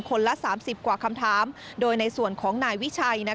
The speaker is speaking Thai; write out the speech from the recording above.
ละ๓๐กว่าคำถามโดยในส่วนของนายวิชัย